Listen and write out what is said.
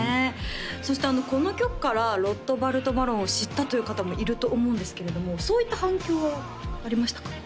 そしてこの曲からＲＯＴＨＢＡＲＴＢＡＲＯＮを知ったという方もいると思うんですけれどもそういった反響はありましたか？